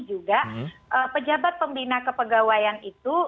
juga pejabat pembina kepegawaian itu